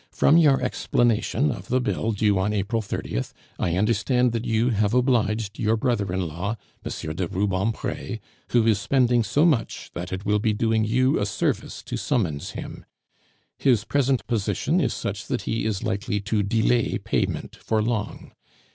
From your explanation of the bill due on April 30th, I understand that you have obliged your brother in law, M. de Rubempre, who is spending so much that it will be doing you a service to summons him. His present position is such that he is likely to delay payment for long.